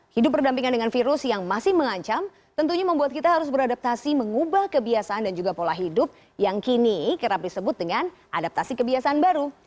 hidup berdampingan dengan virus yang masih mengancam tentunya membuat kita harus beradaptasi mengubah kebiasaan dan juga pola hidup yang kini kerap disebut dengan adaptasi kebiasaan baru